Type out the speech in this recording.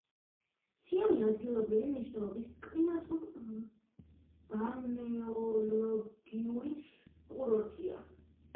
სიონი ადგილობრივი მნიშვნელობის კლიმატურ-ბალნეოლოგიური კურორტია.